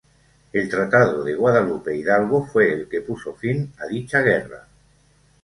El tratado de Guadalupe Hidalgo fue el que puso fin a dicha guerra.